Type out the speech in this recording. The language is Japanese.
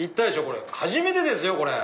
これ初めてですよ。